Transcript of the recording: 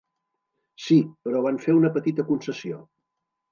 Sí, però van fer una petita concessió.